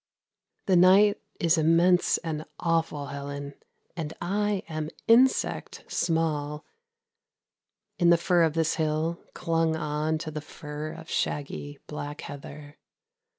The night is immense and awful, Helen, and I am insect small In the fur of this hill, clung on to the fur of shaggy, black heather.